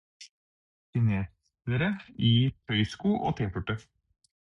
Kinesere i tøysko og t-skjorte.